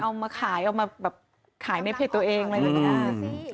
เอามาขายเอามาแบบขายในเพจตัวเองเลย